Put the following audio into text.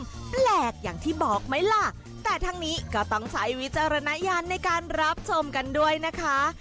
มันแปลกอย่างที่บอกไหมล่ะแต่ทั้งนี้ก็ต้องใช้วิจารณญาณในการรับชมกันด้วยนะคะ